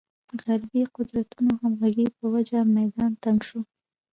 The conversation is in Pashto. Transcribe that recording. غربې قدرتونو همغږۍ په وجه میدان تنګ شوی.